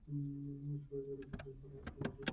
Show এর জন্য পাঁচ দিন, এরপর আরও দুইদিন থাকব।